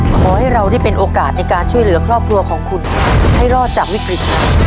ขอให้เราได้เป็นโอกาสในการช่วยเหลือครอบครัวของคุณให้รอดจากวิกฤตนั้น